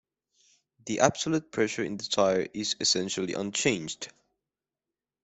The absolute pressure in the tire is essentially unchanged.